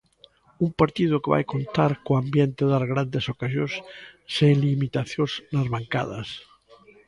Un partido que vai contar co ambiente das grandes ocasións, sen limitacións nas bancadas.